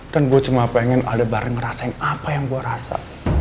dan gue cuma pengen ada barang ngerasain apa yang gue rasa